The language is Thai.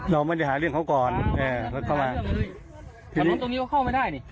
เราไม่ได้หาเรื่องเขาก่อนเข้ามาแถวนู้นตรงนี้ก็เข้ามาได้นี่